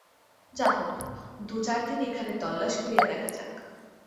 যাহা হউক, দু-চারদিন এখানে তল্লাশ করিয়া দেখা যাক।